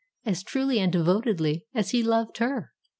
as truly and devotedly as he loved her.